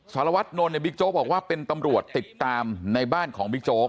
สารวัตนนท์ในบิ๊กโจ๊กบอกว่าเป็นตำรวจติดตามในบ้านของบิ๊กโจ๊ก